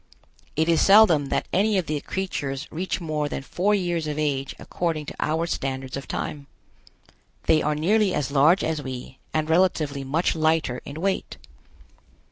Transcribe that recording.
It is seldom that any of the creatures reach more than four years of age according to our standards of time. They are nearly as large as we and relatively much lighter in weight.